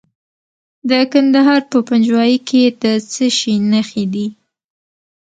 د کندهار په پنجوايي کې د څه شي نښې دي؟